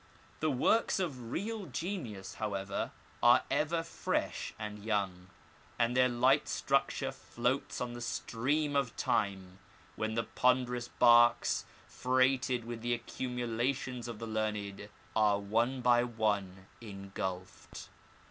The works of real genius, however, are ever fresh and young, and their light structure floats on the stream of time, when the ponderous barks, freighted with the accumulations of the learned, are one by one engulfed.